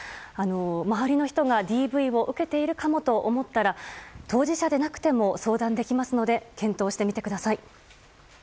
周りの人がＤＶを受けているかもと思ったら当事者でなくても相談できますので検討してみてください。